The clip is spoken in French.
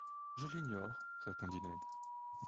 Je l’ignore, répondit Ned.